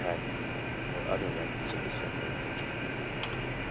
Hadley, or other records of a similar nature."